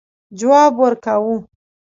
جواب ورکاوه.